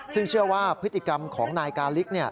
ซึ่งเชื่อว่าพฤติกรรมของนายกาลิก